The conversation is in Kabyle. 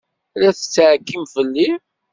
La tettɛekkim fell-i?